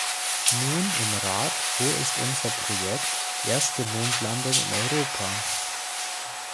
Nun, im Rat, wo ist unser Projekt "Erste Mondlandung" in Europa?